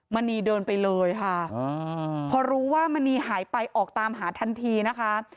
มณีเดินไปเลยค่ะพอรู้ว่ามณีหายไปออกตามหาทันทีนะคะ